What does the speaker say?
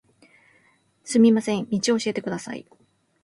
すみません、道を教えてください